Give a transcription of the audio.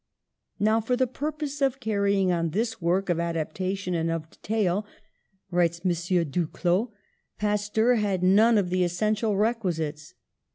^'Now, for the purpose of carrying on this work of adaptation and of detail," writes M. Duclaux, ^Tasteur had none of the essential requisites.